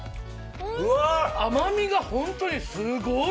甘みが本当にすごい。